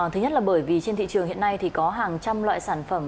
thứ nhất là bởi vì trên thị trường hiện nay thì có hàng trăm loại sản phẩm